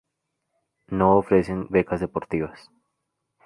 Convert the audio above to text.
No ofrecen becas deportivas.